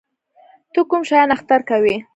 ته کوم شیان اختر کوې؟